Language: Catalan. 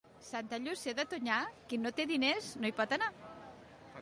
Santa Llúcia de Tonyà, qui no té diners no hi pot anar.